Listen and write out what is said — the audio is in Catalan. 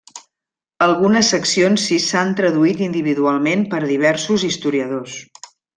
Algunes seccions si s'han traduït individualment per diversos historiadors.